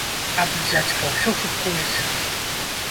Ат, дзядзька, усё шуткуеце!